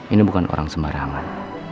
ini bukan orang sembarangan